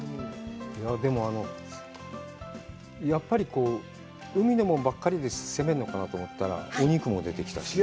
でもやっぱり、海のもんばっかりで攻めるのかなと思ったらお肉も出てきたし。